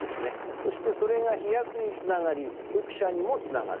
そしてそれが飛躍につながり読者にもつながる。